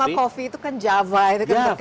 kan nama kopi itu kan java itu kita kenal kan